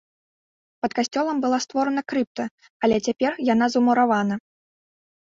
Пад касцёлам была створана крыпта, але цяпер яна замуравана.